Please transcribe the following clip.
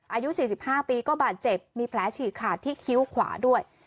อายุสี่สิบห้าปีก็บาดเจ็บมีแผลฉี่ขาดที่คิ้วขวาด้วย